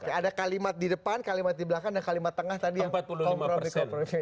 oke ada kalimat di depan kalimat di belakang dan kalimat tengah tadi yang kompromi kompromi